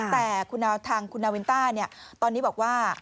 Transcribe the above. แต่คุณทางคุณนาวินต้าตอนนี้บอกว่า